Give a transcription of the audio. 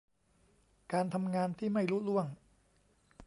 การทำงานที่ไม่ลุล่วง